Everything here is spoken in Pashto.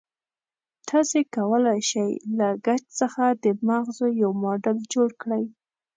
تاسې کولای شئ له ګچ څخه د مغزو یو ماډل جوړ کړئ.